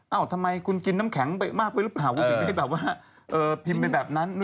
เอ้าทำไมคุณกินน้ำแข็งมากไปรึเปล่า